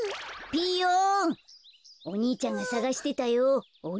ピーヨン。